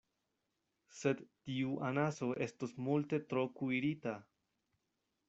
Sed tiu anaso estos multe tro kuirita!